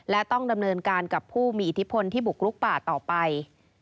และต้องดำเนินการกับผู้มีอิทธิพลที่บุกลุกป่าต่อไป